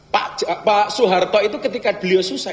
pak soeharto itu ketika beliau susah